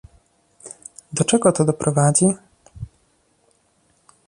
Do czego to doprowadzi?